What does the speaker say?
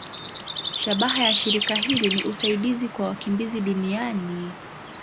Shabaha ya shirika hili ni usaidizi kwa wakimbizi duniani.